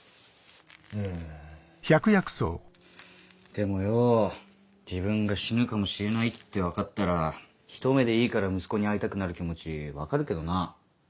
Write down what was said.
でもよ自分が死ぬかもしれないって分かったらひと目でいいから息子に会いたくなる気持ち分かるけどな。